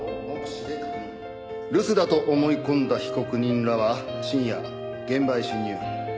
留守だと思い込んだ被告人らは深夜現場へ侵入。